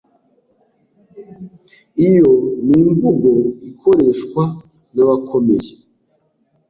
iyo ni imvugo ikoreshwa nabakomeye